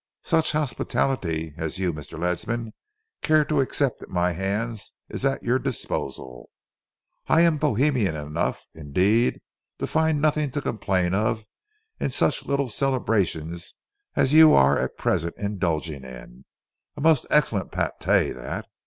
Such hospitality as you, Mr. Ledsam, care to accept at my hands, is at your disposal. I am Bohemian enough, indeed, to find nothing to complain of in such little celebrations as you are at present indulging in most excellent pâté, that.